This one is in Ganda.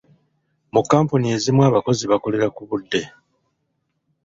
Mu kkampani ezimu, abakozi bakolera ku budde.